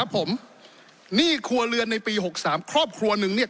ผมหนี้ครัวเรือนในปี๖๓ครอบครัวหนึ่งเนี่ย